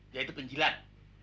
dia itu penjilat